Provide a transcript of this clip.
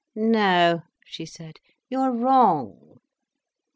"No," she said, "you are wrong."